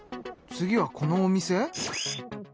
次はこのお店？